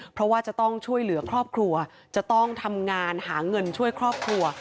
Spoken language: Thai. เพราะว่าจะต้องช่วยเหลือครอบครัวจะต้องทำงานหาเงินช่วยครอบครัว